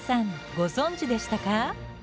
ご存じでしたか？